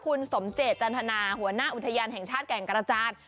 คุณสมเจตจันทนาหัวหน้าอุทยานแห่งชาติแก่งกระจาน